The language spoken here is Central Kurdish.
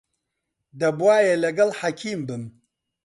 دەبوایە لەگەڵ حەکیم بم.